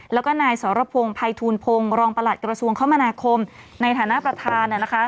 แล้วก็นายสรพงศ์ภัยทูลพงศ์รองประหลัดกระทรวงคมนาคมในฐานะประธานนะคะ